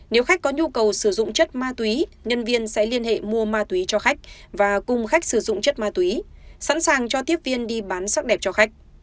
nếu khách có nhu cầu sử dụng chất ma túy nhân viên sẽ liên hệ mua ma túy cho khách và cùng khách sử dụng chất ma túy sẵn sàng cho tiếp viên đi bán sắc đẹp cho khách